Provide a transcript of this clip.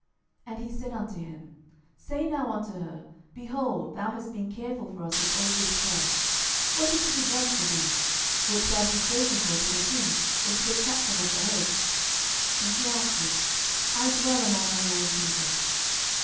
12:004:013 And he said unto him, Say now unto her, Behold, thou hast been careful for us with all this care; what is to be done for thee? wouldest thou be spoken for to the king, or to the captain of the host? And she answered, I dwell among mine own people.